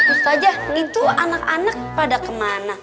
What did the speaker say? ustajah itu anak anak pada kemana